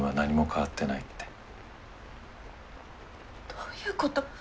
どういうこと？